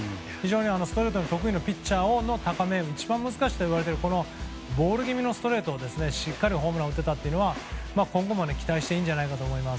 ストレートが非常に得意の、ピッチャーの高め一番難しいといわれているこのボール気味のストレートでしっかりホームランを打てたのは今後も期待していいんじゃないかと思います。